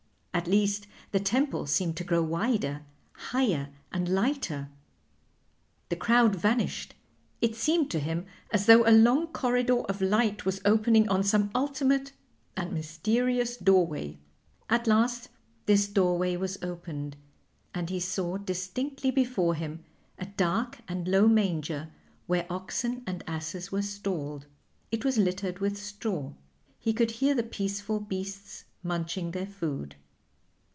At least the temple seemed to grow wider, higher, and lighter; the crowd vanished; it seemed to him as though a long corridor of light was opening on some ultimate and mysterious doorway. At last this doorway was opened, and he saw distinctly before him a dark and low manger where oxen and asses were stalled. It was littered with straw. He could hear the peaceful beasts munching their food.